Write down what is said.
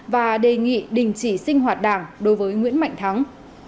và đề nghị đình chỉ sinh hoạt đảng đối với nguyễn mạnh thắng